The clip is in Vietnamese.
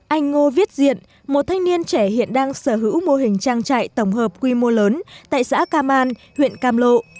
anh ngô viết diện một thanh niên trẻ hiện đang sở hữu mô hình trang trại tổng hợp quy mô lớn tại xã cam an huyện cam lộ